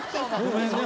ごめんね。